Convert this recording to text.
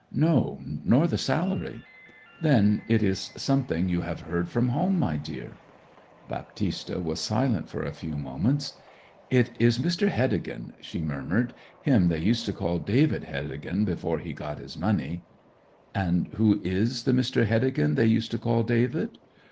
'No, nor the salary.' 'Then it is something you have heard from home, my dear.' Baptista was silent for a few moments. 'It is Mr. Heddegan,' she murmured. 'Him they used to call David Heddegan before he got his money.' 'And who is the Mr. Heddegan they used to call David?'